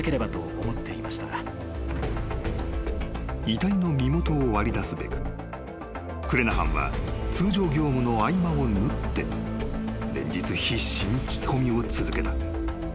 ［遺体の身元を割り出すべくクレナハンは通常業務の合間を縫って連日必死に聞き込みを続けた］